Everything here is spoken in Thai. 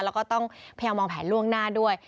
แล้วก็ต้องพยายามวางแผนล่วงหน้าด้วย